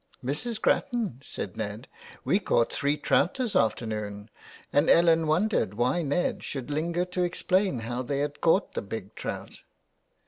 " Mrs. Grattan," said Ned, '' we caught three trout this afternoon," and Ellen wondered why Ned should linger to explain how they had caught the big trout.